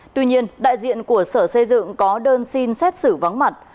tuy nhiên đại diện của sở xây dựng có đơn xin xét xử vắng mặt